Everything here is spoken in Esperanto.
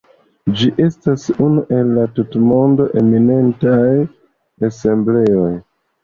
Ĝi estas unu el la tutmonde eminentaj ensembloj.